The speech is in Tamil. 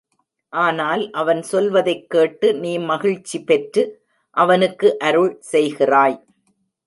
ஆனால் அவன் சொல்வதைக் கேட்டு நீ மகிழ்ச்சி பெற்று அவனுக்கு அருள் செய்கிறாய்.